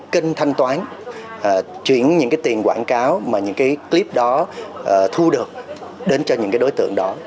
kênh thanh toán chuyển những tiền quảng cáo mà những cái clip đó thu được đến cho những đối tượng đó